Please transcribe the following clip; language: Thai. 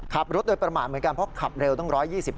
ขับรถโดยประมาทเหมือนกันเพราะขับเร็วตั้ง๑๒๐